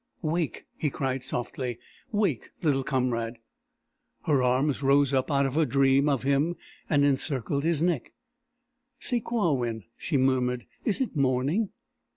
"Wake," he cried softly. "Wake, little comrade!" Her arms rose up out of her dream of him and encircled his neck. "Sakewawin," she murmured. "Is it morning?"